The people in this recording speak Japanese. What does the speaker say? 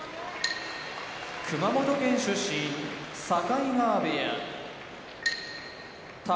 熊本県出身境川部屋宝